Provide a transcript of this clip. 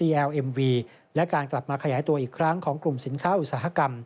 ให้การส่งออกกลับมาขยายตัวเป็นบวก